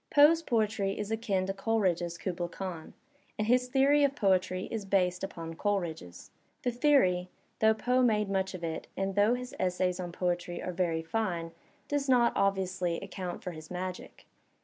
Poe's poetry is akin to Coleridge's "Kubla Khan," and his theory of Digitized by Googk POE 143 poetry is based upon Coleridge's. The theory, though Poe made much of it and though his essays on poetiy are very fine, does not, obviously, account for his magic.